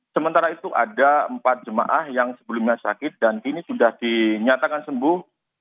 sementara itu ada empat jemaah yang sebelumnya sakit dan kini sudah dinyatakan sembuh